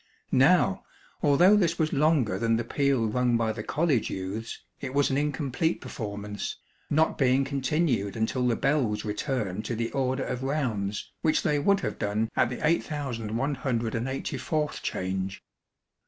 Now, although this was longer than the peal rung by the College Youths, it was an incomplete performance, not being continued until the bells returned to the order of rounds, which they would have done at the 8184th change.